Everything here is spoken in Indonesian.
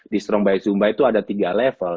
di strong by zumba itu ada tiga level